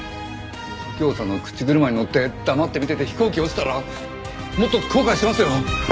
右京さんの口車にのって黙って見てて飛行機落ちたらもっと後悔しますよ！